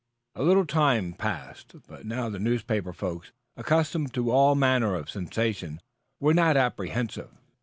A little time passed, but now the newspaper folks, accustomed to all manner of sensations, were not apprehensive.